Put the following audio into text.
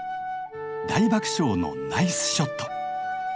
大爆笑のナイスショット！